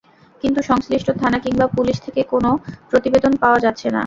কিন্তু সংশ্লিষ্ট থানা কিংবা পুলিশ থেকে কোনো প্রতিবেদন পাওয়া যাচ্ছে না।